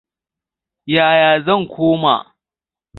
Yaya zan koma?